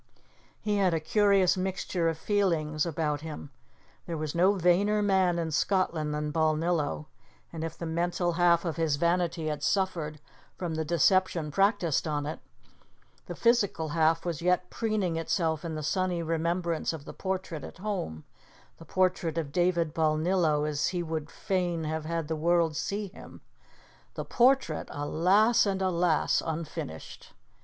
He had a curious mixture of feelings about him. There was no vainer man in Scotland than Balnillo, and if the mental half of his vanity had suffered from the deception practised on it, the physical half was yet preening itself in the sunny remembrance of the portrait at home the portrait of David Balnillo as he would fain have had the world see him the portrait, alas and alas! unfinished.